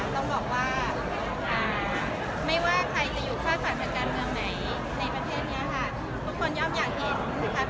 สองเนี่ยจะตัดสินใจว่าจะโหวตเลือกใครเป็นนายุทธมตรีนะคะ